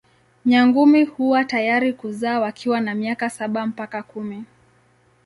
Nyangumi huwa tayari kuzaa wakiwa na miaka saba mpaka kumi.